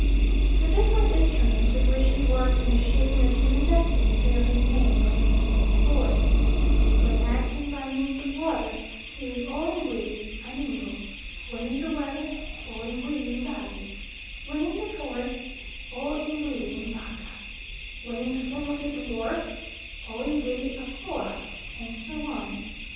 The different instruments with which he works in the shaping of human destiny bear his name when in his employ. When acting by means of water, he is O Mbuiri Aningo; when in the weather, O Mbuiri Ngali; when in the forests, O Mbuiri Ibaka; when in the form of a dwarf, O Mbuiri Akoa, and so on.